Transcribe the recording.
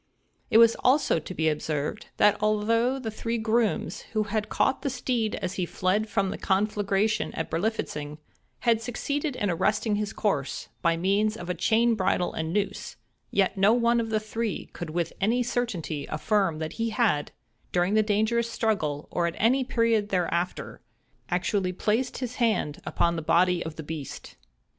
It was also to be observed, that although the three grooms, who had caught the steed as he fled from the conflagration at Berlifitzing, had succeeded in arresting his course, by means of a chain bridle and noose—yet no one of the three could with any certainty affirm that he had, during that dangerous struggle, or at any period thereafter, actually placed his hand upon the body of the beast.